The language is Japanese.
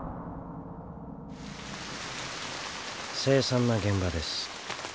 凄惨な現場です。